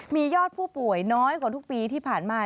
มียอดผู้ป่วยน้อยกว่าทุกปีที่ผ่านมา